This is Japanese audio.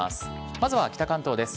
まずは北関東です。